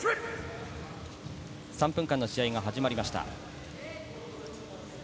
３分間の試合が始まりました。